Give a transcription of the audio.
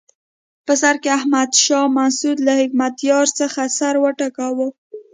په سر کې احمد شاه مسعود له حکمتیار څخه سر وټکاوه.